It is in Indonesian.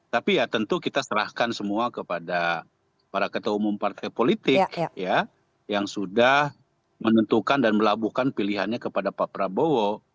tapi ya tentu kita serahkan semua kepada para ketua umum partai politik yang sudah menentukan dan melabuhkan pilihannya kepada pak prabowo